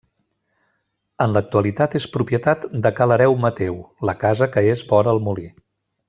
En l'actualitat és propietat de Ca l'hereu Mateu, la casa que és vora el molí.